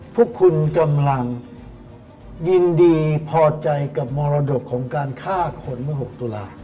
พวกคุณกำลังยินดีพอใจกับมรดกของการฆ่าคนเมื่อ๖ตุลา